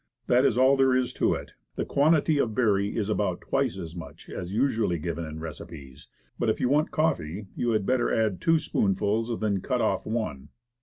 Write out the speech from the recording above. That is all there is of it. The quantity of berry is about twice as much as usually given in recipes; but if you want coffee, you had better add two spoonfuls than cut off one.